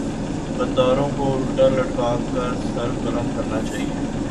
غداروں کو الٹا لٹکا کر سر قلم کرنا چاہیۓ